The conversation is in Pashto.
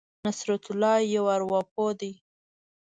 نصرت الله یو ارواپوه دی.